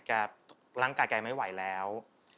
ร่างกายแกไม่ไหวแล้ว